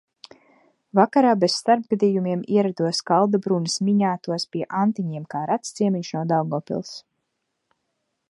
"Vakarā, bez starpgadījumiem ierados Kaldabrunas "Miņātos" pie Antiņiem kā rets ciemiņš no Daugavpils."